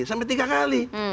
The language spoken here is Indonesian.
sampai tiga kali